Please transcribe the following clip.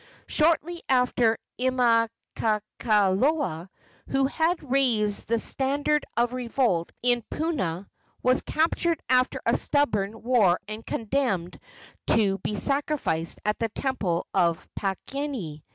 Shortly after Imakakaloa, who had raised the standard of revolt in Puna, was captured after a stubborn war and condemned to be sacrificed at the temple of Pakini.